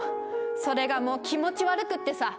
それがもう気持ち悪くってさ。